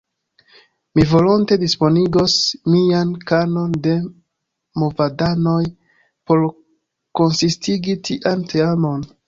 Mi volonte disponigos mian konon de movadanoj por konsistigi tian teamon.